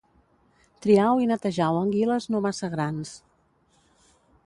Triau i netejau anguiles no massa grans